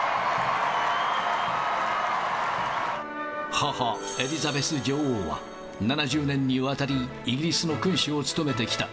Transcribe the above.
母、エリザベス女王は、７０年にわたりイギリスの君主を務めてきた。